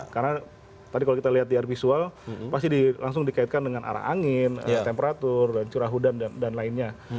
karena tadi kalau kita lihat di art visual pasti langsung dikaitkan dengan arah angin temperatur curah hudan dan lainnya